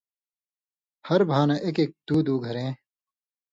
ہر بھا نہ ایک ایک، دُو دُو گھریں